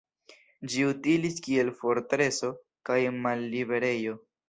Ĝi utilis kiel fortreso kaj malliberejo.